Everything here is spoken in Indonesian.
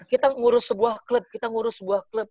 kita ngurus sebuah klub kita ngurus sebuah klub